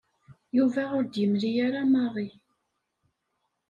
Yuba ur d-yemli ara Mary.